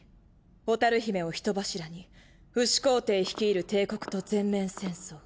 蛍姫を人柱に不死皇帝率いる帝国と全面戦争。